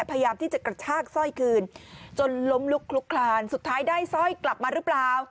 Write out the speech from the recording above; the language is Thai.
พยายามที่จะกระชากสร้อยคืนจนล้มลุกคลุกคลานสุดท้ายได้สร้อยกลับมาหรือเปล่า